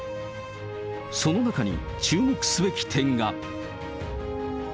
その中に注目すべき点が。